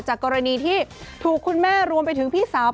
กรณีที่ถูกคุณแม่รวมไปถึงพี่สาว